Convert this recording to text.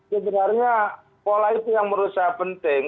sebenarnya pola itu yang menurut saya penting